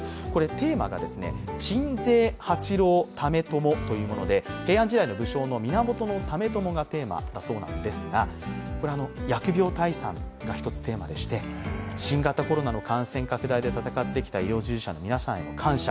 テーマが鎮西八郎為朝というもので平安時代の武将の源為朝がテーマだそうなんですが、疫病退散がテーマで、たたかってきた医療従事者の皆さんへの感謝